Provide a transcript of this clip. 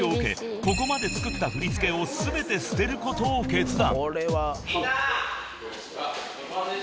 ここまで作った振り付けを全て捨てることを決断］